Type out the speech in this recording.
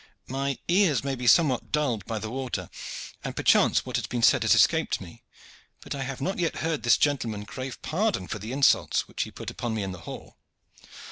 "My ears may be somewhat dulled by the water, and perchance what has been said has escaped me, but I have not yet heard this gentleman crave pardon for the insults which he put upon me in the hall."